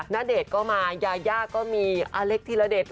ณเดชน์ก็มายาย่าก็มีอเล็กธิระเดช